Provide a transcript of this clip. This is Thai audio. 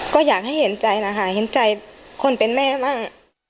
ก็อยากให้เห็นใจนะคะเห็นใจคนเป็นแม่บ้าง